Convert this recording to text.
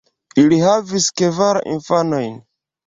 Ili havis kvar infanojn.